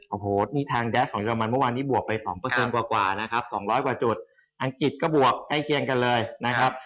โอ้โหนี่ทางแดดของเรมันเมื่อวานนี้บวกไป๒กว่านะครับ๒๐๐กว่าจุดอังกฤษก็บวกใกล้เคียงกันเลยนะครับ